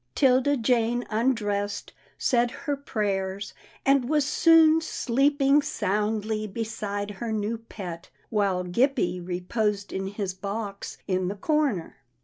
'Tilda Jane undressed, said her prayers, and was soon sleeping soundly beside her new pet, while Gippie reposed in his box in the corner.